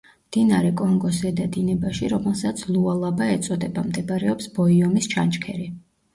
მდინარე კონგოს ზედა დინებაში, რომელსაც ლუალაბა ეწოდება, მდებარეობს ბოიომის ჩანჩქერი.